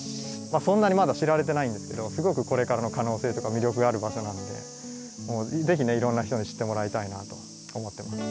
そんなにまだ知られてないんですけどすごくこれからの可能性とか魅力がある場所なのでぜひいろんな人に知ってもらいたいなと思ってます。